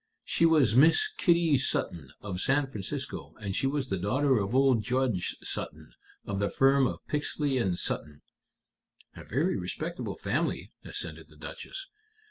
"She was Miss Kitty Sutton, of San Francisco, and she was a daughter of old Judge Sutton, of the firm of Pixley & Sutton." "A very respectable family," assented the Duchess.